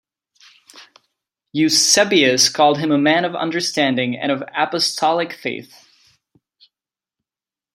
Eusebius called him a man of understanding and of Apostolic faith.